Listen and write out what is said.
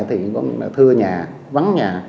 thì có những thưa nhà vắng nhà